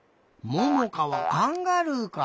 ももかはカンガルーか。